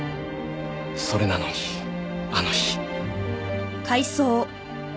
それなのにあの日。